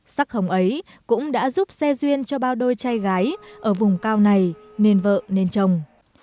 sắc hồng ấy cũng đã giúp xe duyên cho bao đôi trai gái ở vùng cao này nên vợ nên chồng